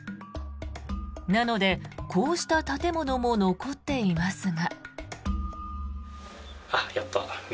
なので、こうした建物も残っていますが。